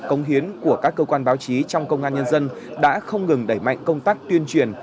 công hiến của các cơ quan báo chí trong công an nhân dân đã không ngừng đẩy mạnh công tác tuyên truyền